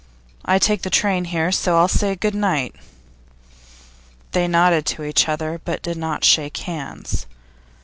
I take the train here, so I'll say good night.' They nodded to each other, but did not shake hands.